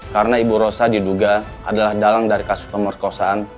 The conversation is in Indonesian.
karena ibu rosa diduga adalah dalang dari kasus pemerkosaan